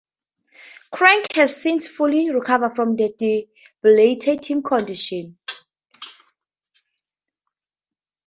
Craig has since fully recovered from the debilitating condition.